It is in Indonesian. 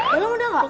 belum udah gak